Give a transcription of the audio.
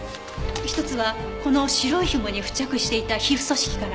一つはこの白いひもに付着していた皮膚組織から。